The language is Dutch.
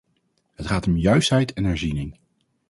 Het gaat om juistheid en herziening.